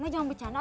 ma jangan bercanda